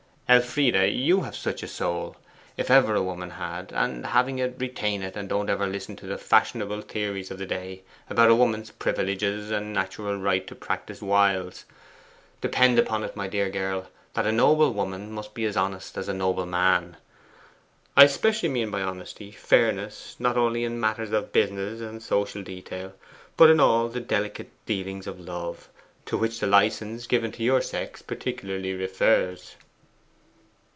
Elfride, you have such a soul, if ever woman had; and having it, retain it, and don't ever listen to the fashionable theories of the day about a woman's privileges and natural right to practise wiles. Depend upon it, my dear girl, that a noble woman must be as honest as a noble man. I specially mean by honesty, fairness not only in matters of business and social detail, but in all the delicate dealings of love, to which the licence given to your sex particularly refers.